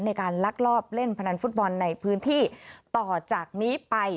ในการลักลอบเล่นพนันฟุตบอลในพื้นที่ต่อจากนี้ไป